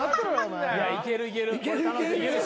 いやいけるいける。